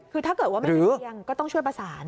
คือถ้าเกิดว่าไม่มีเตียงก็ต้องช่วยประสาน